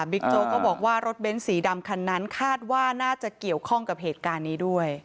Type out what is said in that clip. โจ๊กก็บอกว่ารถเบ้นสีดำคันนั้นคาดว่าน่าจะเกี่ยวข้องกับเหตุการณ์นี้ด้วย